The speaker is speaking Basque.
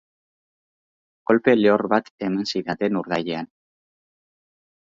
Kolpe lehor bat eman zidaten urdailean.